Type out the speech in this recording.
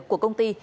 của công ty